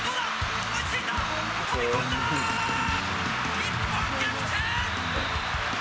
日本逆転。